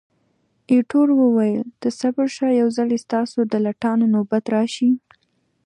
ایټور وویل، ته صبر شه، یو ځلي ستاسو د لټانو نوبت راشي.